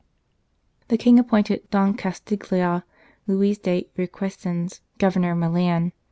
The King appointed Don Castiglia Luis de Requesens Governor of Milan.